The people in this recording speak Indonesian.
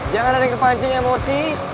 jangan ada yang kepancing emosi